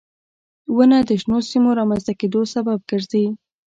• ونه د شنو سیمو رامنځته کېدو سبب ګرځي.